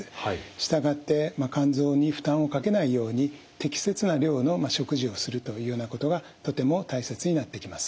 従って肝臓に負担をかけないように適切な量の食事をするというようなことがとても大切になってきます。